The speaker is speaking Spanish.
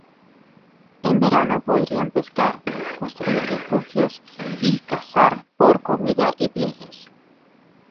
En verano podían pescar, construir refugios, y cazar por comida y pieles.